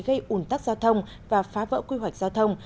gây ủn tắc giao thông và phá vỡ quy hoạch giao thông